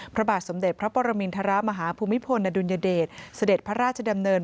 พระบาทสมเด็จพระปรมินทรมาฮภูมิพลอดุลยเดชเสด็จพระราชดำเนิน